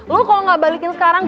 lo kalau nggak balikin sekarang